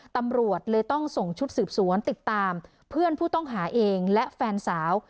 ตำรวจเลยต้องส่งชุดสืบสวนติดตามเพื่อนผู้ต้องหาเองและแฟนสาว